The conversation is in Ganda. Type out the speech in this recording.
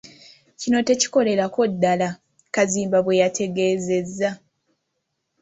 "Kino tekikolerako ddala,” Kazimba bwe yategeezezza.